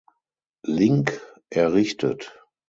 Link errichtet.